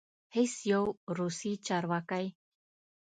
هیڅ یو روسي چارواکی